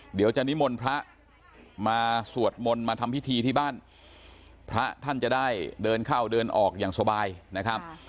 เดี๋ยวจะนิมนต์พระมาสวดมนต์มาทำพิธีที่บ้านพระท่านจะได้เดินเข้าเดินออกอย่างสบายนะครับ